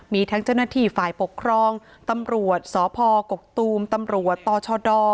มีทั้งเจ้าหน้าที่ฝ่ายปกครองตำรวจสพกกตูมตำรวจตชด